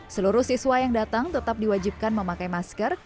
seluruh siswa yang datang tetap diwajibkan memakai masker